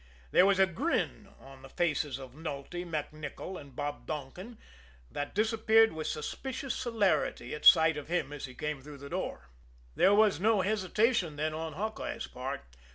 There was a grin on the faces of Nulty, MacNicoll and Bob Donkin that disappeared with suspicious celerity at sight of him as he came through the door. There was no hesitation then on Hawkeye's part.